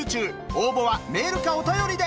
応募はメールかお便りで！